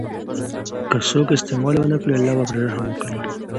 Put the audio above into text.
که څوک استعمال ونکړي، الله به پرې رحم وکړي.